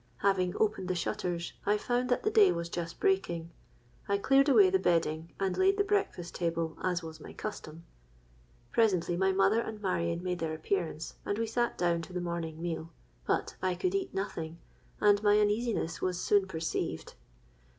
Having opened the shutters, I found that the day was just breaking. I cleared away the bedding, and laid the breakfast table, as was my custom. Presently my mother and Marion made their appearance; and we sate down to the morning meal. But I could eat nothing; and my uneasiness was soon perceived.